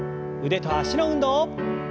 腕と脚の運動。